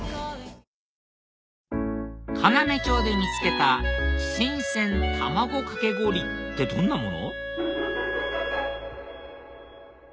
要町で見つけた新鮮たまごかけ氷ってどんなもの？